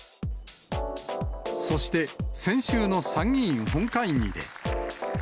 そして、先週の参議院本会議で。